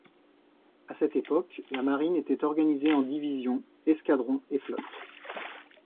À cette époque, la marine était organisée en divisions, escadrons et flottes.